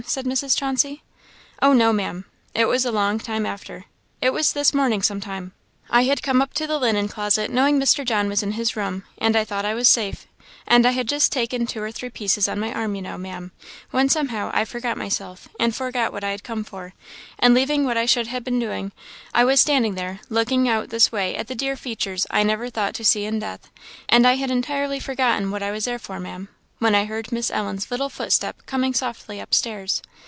"_ said Mrs. Chauncey. "Oh, no, Ma'am it was a long time after; it was this morning some time. I had come up to the linen closet, knowing Mr. John was in his room, and I thought I was safe; and I had just taken two or three pieces on my arm, you know, Ma'am, when somehow I forgot myself, and forgot what I had come for; and leaving what I should ha' been a doing, I was standing there, looking out this way at the dear features I never thought to see in death and I had entirely forgotten what I was there for, Ma'am when I heard Miss Ellen's little footstep coming softly upstairs.